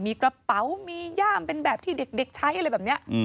มีกระเป๋ามีย่ามเป็นแบบที่เด็กใช้อะไรแบบนี้